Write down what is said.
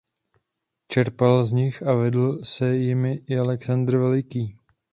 Čerpal z nich a vedl se jimi i Alexandr Veliký.